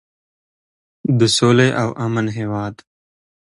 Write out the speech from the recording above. د سولې او امن هیواد.